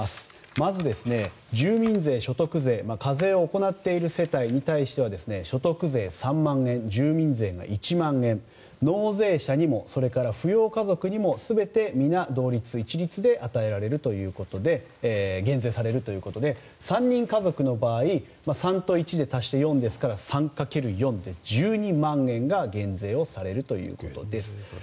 まず、住民税や所得税課税を行っている世帯に対しては所得税３万円、住民税が１万円納税者にも、扶養家族にも全て皆同一、一律で減税されるということで３人家族の場合３かける４で１２万円が減税されるということです。